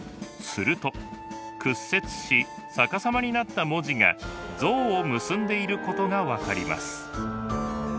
すると屈折し逆さまになった文字が像を結んでいることが分かります。